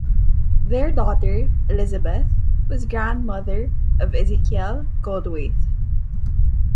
Their daughter, Elizabeth, was grandmother of Ezekiel Goldthwait.